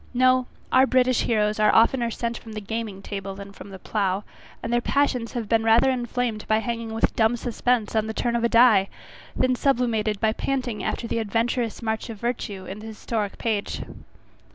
No, our British heroes are oftener sent from the gaming table than from the plough; and their passions have been rather inflamed by hanging with dumb suspense on the turn of a die, than sublimated by panting after the adventurous march of virtue in the historic page.